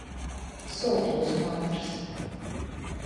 Soltuos mātrys.